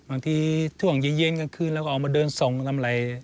บางทีช่วงเย็นกลางคืนเราก็ออกมาเดินส่งทำอะไร